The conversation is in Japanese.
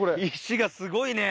石がすごいね。